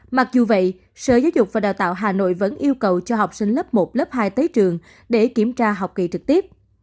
mặc dù vậy sở giáo dục và đào tạo hà nội vẫn yêu cầu cho học sinh lớp một lớp hai tới trường để kiểm tra học kỳ trực tiếp